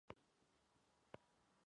No así en el caso de Azcárate.